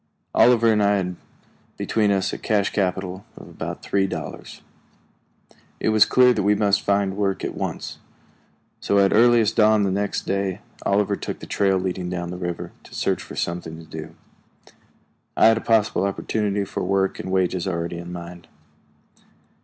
Oliver and I had between us a cash capital of about three dollars. It was clear that we must find work at once, so at earliest dawn next day Oliver took the trail leading down the river, to search for something to do. I had a possible opportunity for work and wages already in mind.